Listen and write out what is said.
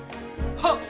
はっ！